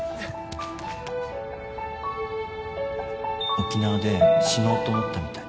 沖縄で死のうと思ったみたい。